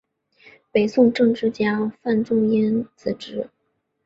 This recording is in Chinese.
北宋政治家范仲淹子侄。